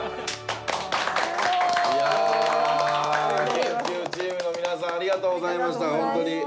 研究チームの皆さんありがとうございましたホントに。